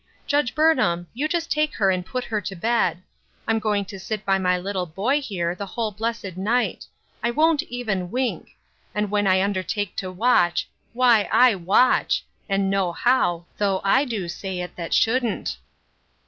Judge Burnham, you just take her and put her to bed. I'm going to sit by my little boy, here, the whole blessed night; I won't even wink ; and when I undertake to watch, why I watoh, and know how, though I do say it that shouldn't."